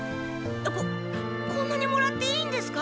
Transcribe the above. ここんなにもらっていいんですか？